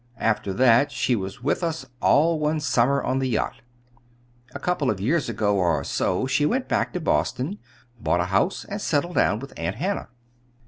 After that she was with us all one summer on the yacht. A couple of years ago, or so, she went back to Boston, bought a house and settled down with Aunt Hannah."